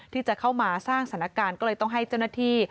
ที่จะเข้ามาสร้างสถานการณ์ก็เลยต้องให้เจ้าหน้าที่